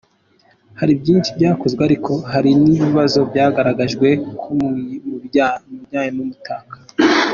Hari byinshi byakozwe ariko hari n’ibibazo byagaragajwe nko mu bijyanye n’ubutaka.